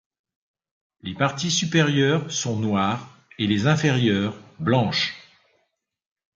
Les parties supérieures sont noires et les inférieures blanches.